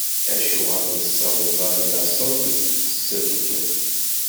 Acuɣer ur tessawḍeḍ ara ad d-taseḍ d ssebt?